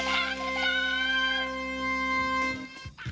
มาก